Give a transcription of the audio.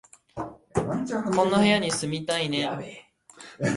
こんな部屋に住みたいね